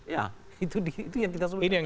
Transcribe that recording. ya itu yang kita sebut